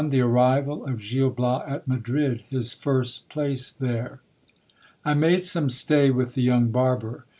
— The arrival of Gil Bias at Madrid. His first place there. I made some stay with the young barber.